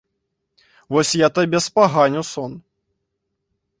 Вось я табе спаганю сон!